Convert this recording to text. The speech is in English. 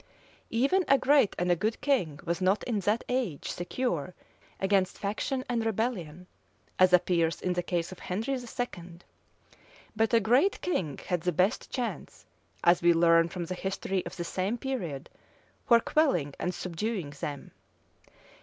Even a great and a good king was not in that age secure against faction and rebellion, as appears in the case of Henry II.; but a great king had the best chance, as we learn from the history of the same period, for quelling and subduing them.